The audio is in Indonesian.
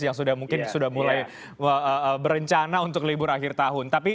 yang mungkin sudah mulai berencana untuk libur akhir tahun